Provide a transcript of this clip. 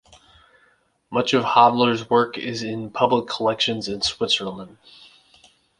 Much of Hodler's work is in public collections in Switzerland.